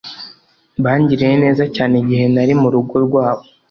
Bangiriye neza cyane igihe nari murugo rwabo